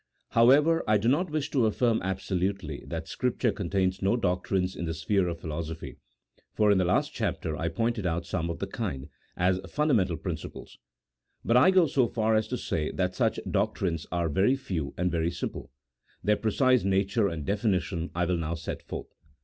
However, I do not wish to affirm absolutely that Scrip ture contains no doctrines in the sphere of philosophy, for in the last chapter I pointed out some of the kind, as fundamental principles ; but I go so far as to say that such doctrines are very few and very simple. Their precise nature and definition I will now set forth.